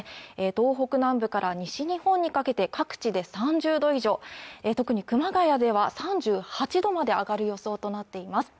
東北南部から西日本にかけて各地で３０度以上で特に熊谷では３８度まで上がる予想となっています